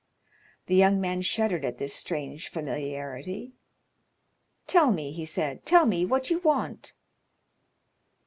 The young man shuddered at this strange familiarity. "Tell me," he said—"tell me what you want?"